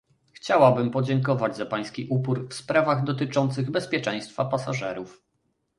Chciałabym podziękować za pański upór w sprawach dotyczących bezpieczeństwa pasażerów